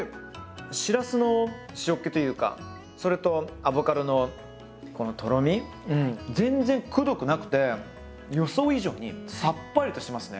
しらすの塩っけというかそれとアボカドのこのとろみうん全然くどくなくて予想以上にさっぱりとしてますね。